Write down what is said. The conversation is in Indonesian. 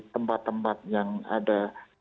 tempat tempat yang ada